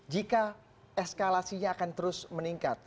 jika eskalasinya akan terus meningkat